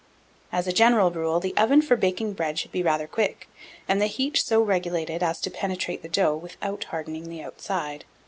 1702. As a general rule, the oven for baking bread should be rather quick, and the heat so regulated as to penetrate the dough without hardening the outside.